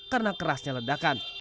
karena kerasnya ledakan